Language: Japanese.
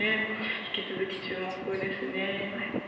引き続き注目ですね。